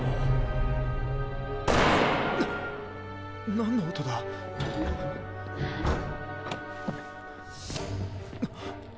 何の音だ？っ！